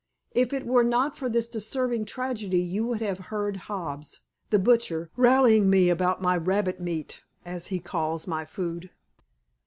If it were not for this disturbing tragedy you would have heard Hobbs, the butcher, rallying me about my rabbit meat, as he calls my food."